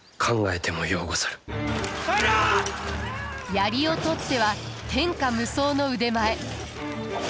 槍をとっては天下無双の腕前。